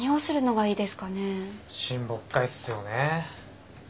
親睦会っすよね。